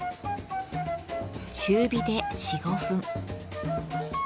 中火で４５分。